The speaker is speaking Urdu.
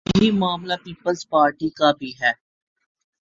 یہی معاملہ پیپلزپارٹی کا بھی ہے۔